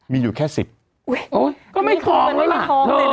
มีอยู่แค่ศิษย์อุ้ยก็ไม่ทองแล้วล่ะฮะ